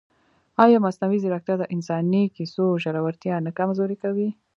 ایا مصنوعي ځیرکتیا د انساني کیسو ژورتیا نه کمزورې کوي؟